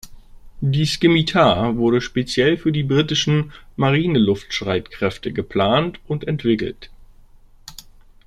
Die Scimitar wurde speziell für die britischen Marineluftstreitkräfte geplant und entwickelt.